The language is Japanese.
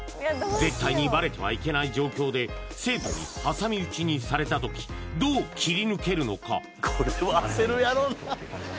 絶対にバレてはいけない状況で生徒に挟み撃ちにされた時どう切り抜けるのか！？